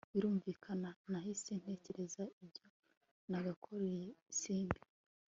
birumvikana nahise ntekereza ibyo nagakoreye simbi